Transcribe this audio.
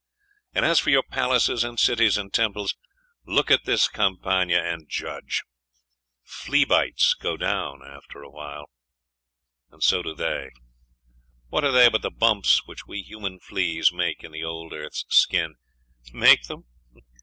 'And as for your palaces, and cities, and temples.... look at this Campagna, and judge. Flea bites go down after a while and so do they. What are they but the bumps which we human fleas make in the old earth's skin?. Make them?